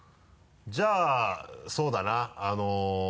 じゃあそうだな。